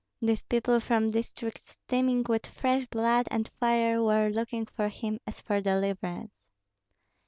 These people from districts steaming with fresh blood and fire were looking for him as for deliverance.